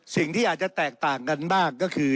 สิ่งที่อาจจะแตกต่างกันบ้างก็คือ